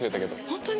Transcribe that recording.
ホントに？